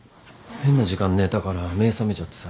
変な時間に寝たから目覚めちゃってさ。